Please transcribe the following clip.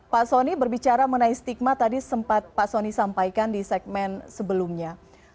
pak soni berbicara mengenai stigma tadi sempat pak soni sampaikan di segmen sebelumnya